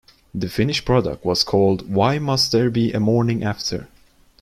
The finished product was called Why Must There Be a Morning After?